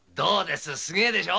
すげえでしょ